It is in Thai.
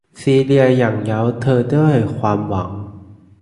ซีเลียยั่งเย้าเธอด้วยความหวัง